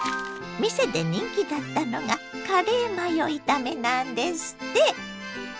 店で人気だったのがカレーマヨ炒めなんですって。